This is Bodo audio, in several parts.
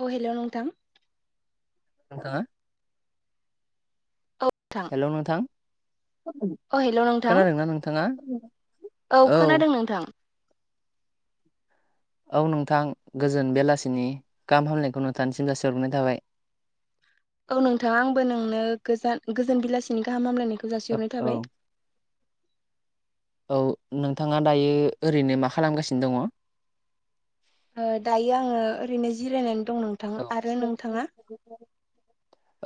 औ हेल' नोंथां नोंथाङा औ नोंथां हेल' नोंथां औ हेल' नोंथां खोनादोंना नोंथाङा औ खोनादों नोंथां औ नोंथां गोजोन बेलासिनि गाहाम हामलायनायखौ नोंथांसिम जासि हरग्रोननाय थाबाय। औ नोंथां आंबो नोंनो गोजान गोजोन बिलासिनि गाहाम हामलायनायखौ औ जासिहरनाय औ थाबाय। औ नोंथाङा दायो ओरैनो मा खालामगासिनो दङ ओ दायो आङो ओरैनो जिरायनानै दं नोंथां आरो नोंथाङा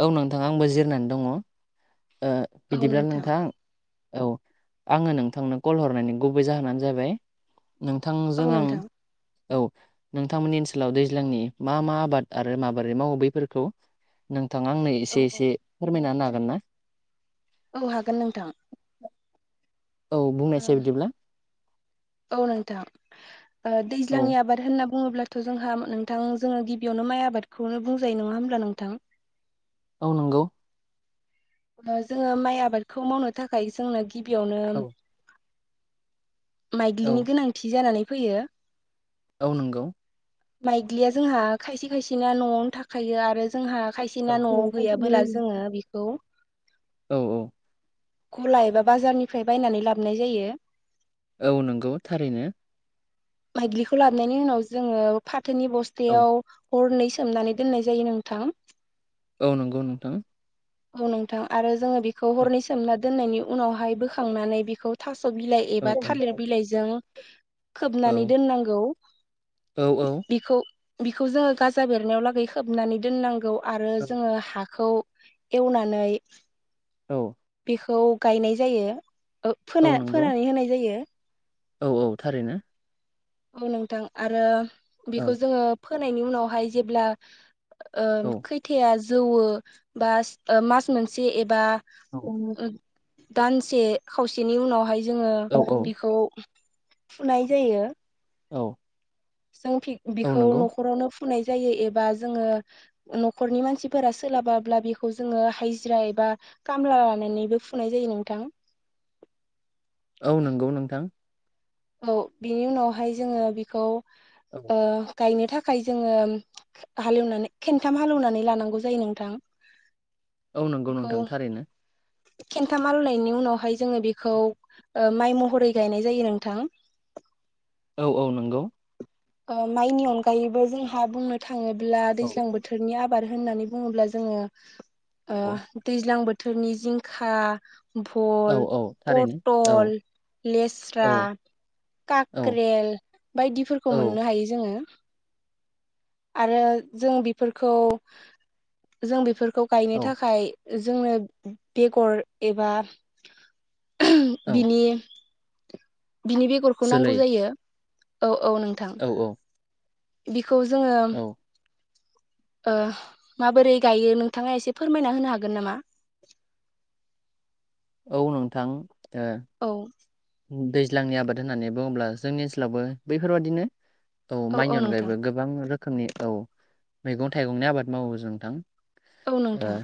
औ नोंथां आंबो जिरनानै दङ ओ बिदिब्ला नोंथां औ आङो नोंथांनो कल हरनायनि गुबै जाहोनानो जाहैबाय नोंथांजों औ आं नोंथां औ नोंथांमोननि ओनसोलाव दैज्लांनि मा मा आबाद आरो माबोरै मावो बैफोरखौ नोंथाङा आंनो औ एसे औ एसे फोरमायना हागोन ना औ हागोन नोंथां। औ बुंनायसाय बिदिब्ला औ नोंथां औ दैज्लांनि आबाद होनना बुङोब्लाथ' जोंहा नोंथां जोङो गिबियावनो माइ आबादखौनो बुंजायो नङा होमब्ला नोंथां औ नंगौ जोङो माइ आबादखौ मावनो थाखाय जोंनो गिबियावनो औ माइग्लिनि औ गोनांथि जानानै फैयो। औ नंगौ माइग्लिया जोंहा खायसे खायसेना न'आवनो थाख खायो आरो जोंहा औ खायसेना न'आव गैयाबोला जोङो बेखौ औ औ गला एबा बाजारनिफ्राय बायनानै लाबोनाय जायो औ नंगौ थारैनो माइदलिखौ लाबनायनि उनाव जोङो फाथोनि औ बस्थायाव हरनै सोमनानै दोननाय जायो नोंथां। औ नंगौ नोंथां। औ नोंथां आरो जोङो बेखौ औ हरनै सोमना दोननायनि उनावहाय बोखांनानै बेखौ थास' बिलाइ औ एबा औ थालिर बिलाइजों औ खोबनानै दोननांगौ औ औ बिखौ बिखौ जोङो गाजा बेरनायाव लागै खोबनानै दोननांगौ आरो जोङो हाखौ एवनानै औ बेखौ गायनाय जायो ओ फोना औ नंगौ फोनानै होनाय जायो औ औ थारैनो। नोंथां आरो औ बेखौ जोङो फोनायनि उनावहाय जेब्ला औ खैथाया जौवो बा मास मोनसे एबा दानसे खावसेनि उनावहाय जोङो औ बेखौ फुनाय जायो। औ जों औ फिगबिखौ नंगौ न'खरावनो फुनाय जायो एबा जोङो न'खरनि मानसिफोरा सोलाबाब्ला बेखौ जोङो हाजिरा एबा खामला लानानैबो फुनाय जायो नोंथां। औ नंगौ नोंथां। औ बिनि उनावहाय जोङो बेखौ औ गायनो थाखाय थाखाय जोङो हालेवनानै खेनथाम हालेवनानै लानांगौ जायो नोंथां। औ नंगौ बेखौ नोंथां थारैनो। खेनथाम आलयनायनि उनावहाय जोङो बेखौ माइ महरै गायनाय जायो नोंथां। औ औ नंगौ। माइनि अनगायैबो जोंहा बुंनो थाङोब्ला औ दैज्लां बोथोरनि आब बाद होननानै बुङोब्ला जोङो औ दैज्लां ओ बोथोरनि जिंखा औ भल, औ थारैनो औ पटल, औ लेस्रा, औ काक्रेल बायदिफोरखौ औ मोननो हायो जोङो। आरो जों बेफोरखौ जों बेफोरखौ औ गायनो थाखाय जोंनो बेगर एबा औ बिनि बिनि बेगरखौ नांगौ जोलै जायो। औ औ नोंथां। औ औ बिखौ जोङो औ माबोरै गायो नोंथाङा एसे फोरमायना होनो हागोन नामा? औ नोंथां। ओ औ दैज्लांनि आबाद होननानै बुङोब्ला जोंनि ओनसोलावबो बैफोरबादिनो औ माइनि अनगायैबो गो गोबां रोखोमनि औ मैगं थाइगंनि आबाद मावो जों नोंथां औ ओ नोंथां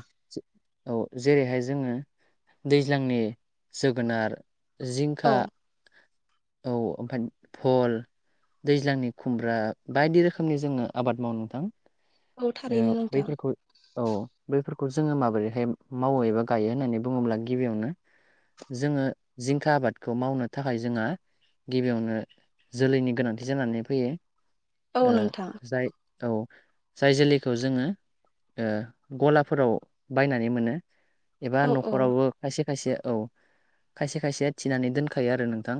औ जेरैहाय जोङो दैज्लांनि जोगोनार जिं खा औ औ ओमफाय फल दैज्लांनि खुमब्रा बायदि रोखोमनि जोङो आबाद मावो नोंथां। थारैनो औ नोंथां बैफोरखौ औ बेफोरखौ जोङो माबोरैहाय मावो एबा गायो होननानै बुङोब्ला गिबियावनो जोङो जिंखा आबादखौ मावनो थाखाय जोंहा गिबियावनो जोलैनि गोनांथि जानानै फैयो। औ ओ नोंथां जाय औ। जाय जोलैखौ जोङो ओ गलाफोराव बायनानै मोनो। एबा औ औ न'खरावबो खायसे खायसे औ खायसे खायसे थिनानै दोनखायो आरो नोंथां।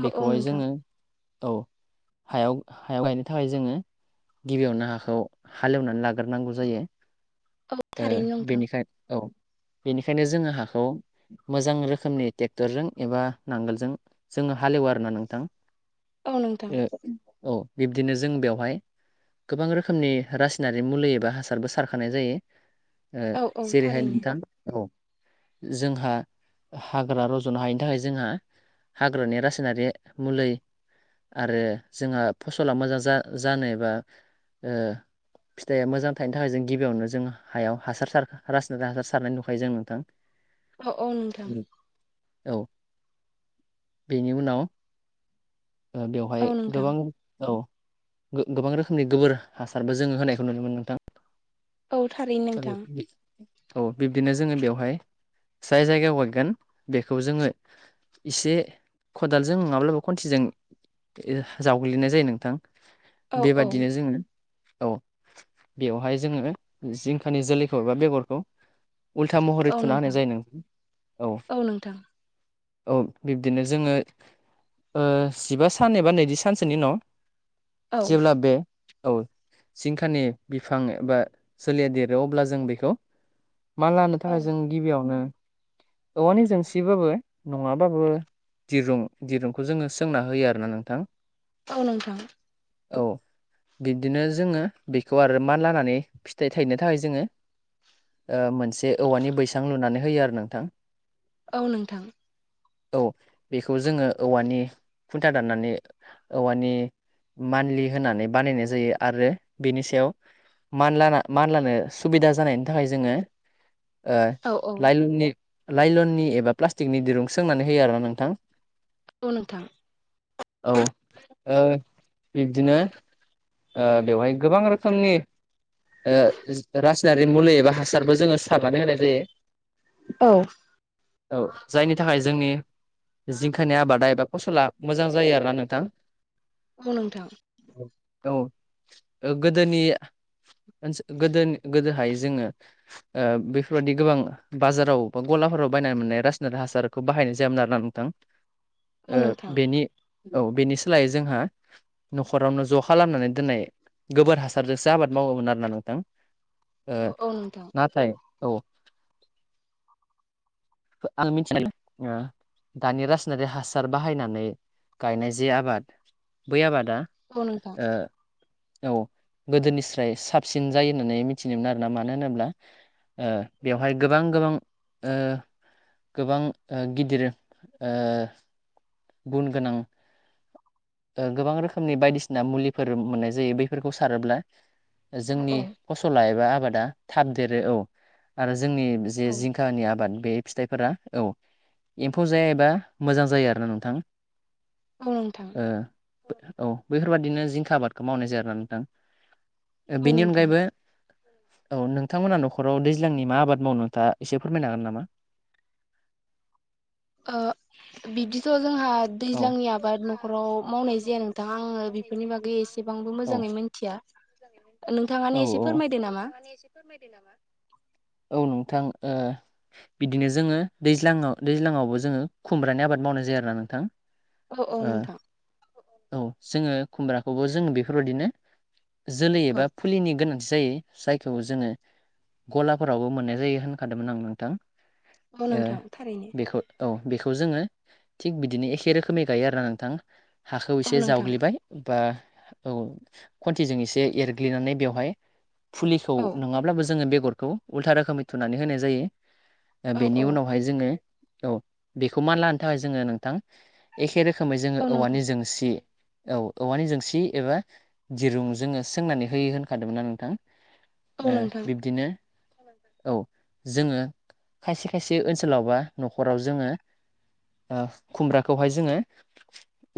औ औ बेखौहाय नोंथां जोङो औ हायाव हायाव गायनो थाखाय जोङो गिबियावनो हाखौ हालेवनानै लाग्रोनांगौ जायो औ ओ थारैनो नोंथां बेनिखाय औ। बेनिखायनो जोङो हाखौ मोजां रोखोमनि टेक्टरजों एबा नांगोलजों जोङो हालेवो आरो ना नोंथां। औ नोंथां ओ औ बिब्दिनो जों बेवहाय गोबां रोखोमनि रासायनारि मुलि एबा हासारबो सारखानाय जायो ओ औ औ जेरैहाय थारैनो नोंथां औ जोंहा हाग्रा रज'नो हायिनि थाखाय जोंहा हाग्रानि रासायनारि मुलि आरो जोंहा फसला मोजां जा जानोबा ओ फिथाइया मोजां थायनो थाखाय जों गिबियावनो जों हायाव हासार सार रासायनारि हासार सारनाय नुखायो जों नोंथां। औ औ नोंथां। औ बेनि उनाव ओ बेवहाय औ नोंथां गोबां औ गो-गोबां रोखोमनि गोबोर हासारबो जो जोङो होनायखौ नुनो मोनो नोंथां औ थारैनो नोंथां ओ औ बिब्दिनो जोङो बेवहाय जाय जायगायाव गायगोन बेखौ जोङो इसे खदालजों नङाब्लाबो खन्थिजों ए जावग्लिनाय जायो नोंथां औ औ बेबादिनो जोङो औ बेवहाय जोङो जिंखानि जोलैखौ एबा बेगरखौ उल्था महरै औ थुना होनाय नोंथां जायो नों औ। औ बिब्दिनो जोङो ओ जिबा सान एबा नैजि सानसोनि न' औ जेब्ला बे औ। जिंखानि बिफां एबा सोलिया देरो अब्ला जों बेखौ मा लानो औ थाखाय जों गिबियावनो औवानि जोंसिबाबो नङाबाबो दिरुं दिरुंखौ जोङो सोंना होयो आरोना नोंथां। औ नोंथां। औ। बिदिनो जोङो बेखौ आरो मा लानानै फिथाइ थायनो थाखाय जोङो ओ मोनसे औवानि बैसां लुनानै होयो आरो नोंथां। औ नोंथां। औ बेखौ जोङो औवानि खुन्था दाननानै औवानि मान्लि होनानै बानायनाय जायो। आरो बेनि सायाव मानलाना मानलानो सुबिदा जानायनि थाखाय जोङो ओ औ औ लाइलननि लाइलननि एबा प्लास्टिकनि दिरुं सोंनानै होयो आरोना नोंथां। औ नोंथां। औ ओ बिब्दिनो ओ बेवहाय गोबां रोखोमनि ओ रास जारि मुलि एबा हासारबो जोङो सारनानै होनाय जायो। औ औ जायनि थाखाय जोंनि जिंखानि आबादा एबा फसला मोजां जायो आरोना नोंथां औ नोंथां औ गोदोनि गोदो गोदोहाय जोङो [inaudible] ओ बेफोरबाददि गोबां बाजाराव बा गलाफोराव बायना मोननाय रासायनारि हासारखौ बाहायनाय जायोमोन आरोना औ नोंथां औ बेनि सोलायै जोंहा न'खरावनो ज' खालामनानै दोननाय गोबोर हासारजोंसो आबाद मावोमोन आरोना नोंथां ओ औ औ नोंथां नाथाय औ [inaudible] दानि रासायनारि हासार बाहायनानै गायनाय जे आबाद बै आबादा औ नोंथां ए औ गोदोनिस्राय साबसिन जायो होननानै मिथिनोमोन आरोना मानो होनोब्ला ओ बेवहाय गोबां गोबां ओ गोबां गिदिर ओ गुन गोनां गोबां रोखोमनि बायदिसिना मुलिफोर मोननाय जायो बैफोरखौ सारोब्ला औ जोंनि फसला एबा आबादा थाब देरो औ आरो जोंनि जे जिं फिथानि आबाद बे फिथाइफोरा औ एम्फौ जायबा मोजां जायो आरोना नोंथां। औ नोंथां ओ औ बेफोरबादिनो जिंखा आबादखौ मावनाय जायो आरोना नोंथां। औ बेनि नोंथां अनगायैबो औ नोंथांमोना न'खराव दैज्लांनि मा आबाद मावो नोथांङा एसे फोरमायनो हागोन नामा? [inaudible] बिदिथ' जोंहा औ थ' दैज्लांनि आबाद नखराव मावनाय जाया नोंथां आङो बेफोरनि बागै एसेबांबो मोजाङै औ मिथिया नोंथाङानो एसे फोरमायदो नामा फोरमायदो नामा? औ नोंथां बिदिनो जोङो दैज्लाङाव दैज्लाङावबो जोङो खुमब्रानि आबाद मावनाय जायो आरोना नोंथां औ औ ओ नोंथां औ जोङो खुमब्राखौबो जोङो बेफोरबायदिनो जोलै औ एबा फुलिनि गोनांथि जायो। जायखौ जोङो गलाफोरावबो मोननाय जायो होनखादोंमोन आं नोंथां औ ओ नोंथां थारैनो बेखौ औ बेखौ जोङो थिग बिदिनो एखे रोखोमै गायो आरोना नोंथां हाखौ औ एसे नोंथां जावग्लिबाय बा औ खन्थिजों एसे एरग्लिनानै बेवहाय फुलिखौ औ नङाब्लाबो जोङो बेगरखौ उल्था रोखोमै थुनानै होनाय जायो औ बेनि औ उनावहाय जोङो औ बेखौ मानल होनो थाखाय जोङो नोंथां एखे रोखोमै जों औ नोंथां औवानि जोंसि औ औवानि जोंसि एबा दिरुं जोङो सोंनानै होयो होनखादोंमोनना नोंथां औ ओ नोंथां बिब्दिनो औ जोङो खायसे खायसे ओनसोलाव बा न'खराव जोङो खुमब्राखौहाय जोङो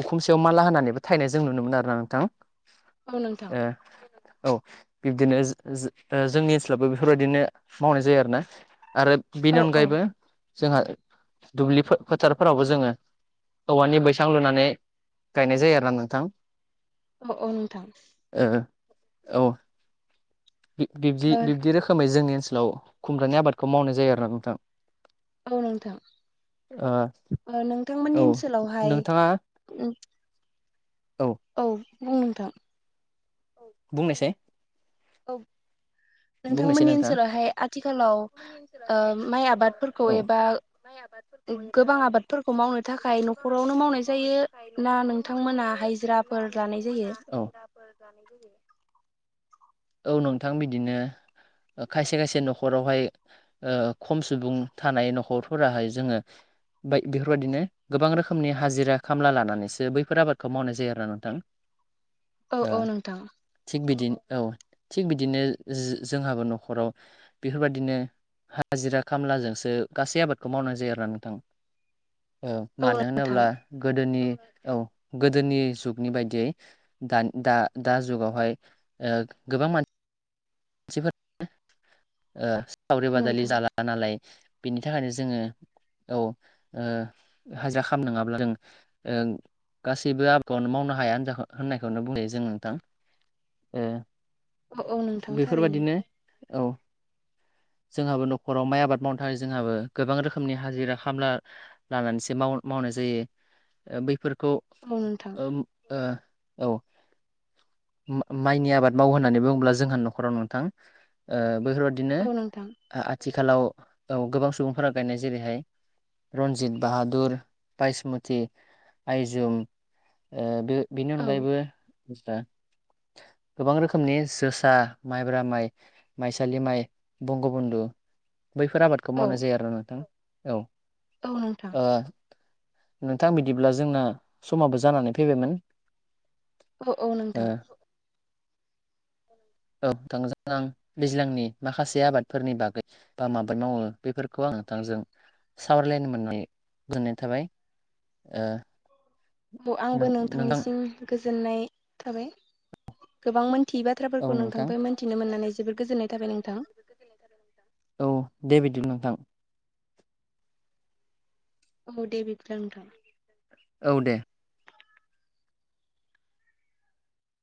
उखुमसायाव मानला होनानैबो थायनाय जों नुनो मोन आरोना नोंथां औ नोंथां ए औ बिब्दिनो जोंनि ओनसोलावबो बेफोरबायदिनो मावनाय जायो आरोना आरो औ बेनि औ अनगायैबो जोंहा दुब्लि फोथारफोरावबो जोङो औवानि बैसां लुनानै गायनाय जायो आरोना नोंथां। अ अ नोंथां ओऔ बिब्दि ओ बिब्दि रोखोमै जोंनि ओनसोलाव खुमब्रानि आबादखौ मावनाय जायो आरोना नोंथां औ नोंथां ओ ओ नोंथांमोननि औ ओनसोलावहाय नोंथाङा उम औ। औ बुं नोंथां। बुंनायसाय। औ। बुंनायसाय नोंथांमोननि नोंथाङा ओनसोलावहाय आथिखालाव ओ माइ आबादफोरखौ औ एबा गोबां आबादफोरखौ मावनो थाखाय नखरावनो मावनाय जायो ना नोंथांमोना हाइजिरा ना नोंथां मोना हाजिराफोर लानाय जायो? औ औ नोंथां बिदिनो। ओ खायसे खायसे नखरावहाय ओ खम सुबुं थानाय नखरफोराहाय जोङो बाय बेफोरबायदिनो गोबां रोखोमनि हाजिरा खामला लानानैसो बैफोर आबादखौ मावनाय जायो आरोना नोंथां। [inaudible] औ ओ औ नोंथां। थिग बिदिन औ थिग बिदिनो जो-जोंहाबो नखराव बेफोरबादिनो हाजिरा खामलाजोंसो गासै आबादखौ मावनाय जायो आरोना नोंथां। ओ औ मानो नोंथां होनोब्ला गोदोनि औ गोदोनि जुगनि बायदियै दानि दा दा जुगावहाय ओ गोबां मान मानसिफोरा ओ सावरि औ बादालि नोंथां जाला नालाय बेनि थाखायनो जोङो औ ओ हाजिरा खाम नंङाबा जों ओ गासैबो आबादखौनो मावनो हाया होनजा होननायखौनो बुंजायो जों नोंथां। ओ औ औ नों बेफोरबादिनो औ। जोंहाबो नखराव माइ आबाद मावनो थाखाय जोंहाबो गोबां रोखोमनि हाजिरा खामला लानानैसो माव मावनाय जायो ओ बैफोरखौ औ नोंथां। ओम ओ औ। मा-माइनि आबाद मावो होननानै बुंङोब्ला जोंहा नखराव नोंथां ओ बेफोरबादिनो औ नोंथां ओ आथिखालाव औ गोबां सुबुंफोरा गायनाय जेरैहाय रन्जित बाहादुर बायसमति आइजुम ओ बे बेनि औ अनगायैबो गोबां रोखोमनि जोसा माइब्रा माइ माइसालि माइ बंग' बधु बैफोर आबाद खौ औ मावनाय जायो आरोना नोंथां औ। औ नोंथां। ओ नोंथां बिदिब्ला जोंना समाबो जानानै फैबायमोन। औ औ ओ नोंथां। औ नोथांजों आं दैज्लांनि माखासे आबादफोरनि बागै बा मा आबाद मावो बेफोरखौ आं नोंथांजों सावरायलायनो मोननानै गोजोननाय थाबाय। ओ औ आंबो नों नोंथां नोंथांनिसिम गोजोननाय थाबाय। गोबां मोनथियै औ बाथ्राफोरखौ नोंथां नोंथांनिफ्राय मोन्थिनो मोननानै जोबोर गोजोननाय थाबाय नोंथां। औ दे बिदिबा नोंथां। औ दे बिदिब्ला नोंथां। औ दे।